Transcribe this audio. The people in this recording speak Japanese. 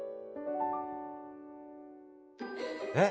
えっ？